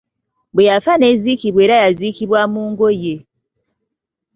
Bwe yafa n’eziikibwa era yaziikibwa mu ngoye!